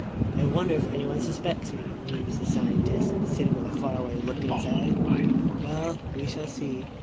"I wonder if anyoue suspects," mused the scientist, sitting with a far away look in his eyes. "Well, we shall see.